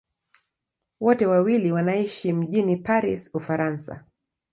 Wote wawili wanaishi mjini Paris, Ufaransa.